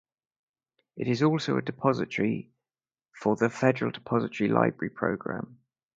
It is also a depository for the Federal Depository Library Program.